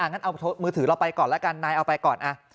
งั้นเอามือถือเราไปก่อนแล้วกันนายเอาไปก่อน